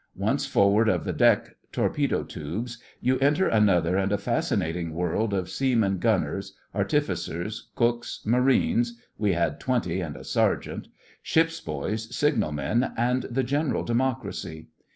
Once forward of the deck torpedo tubes you enter another and a fascinating world of seamen gunners, artificers, cooks, Marines (we had twenty and a sergeant), ship's boys, signalmen, and the general democracy.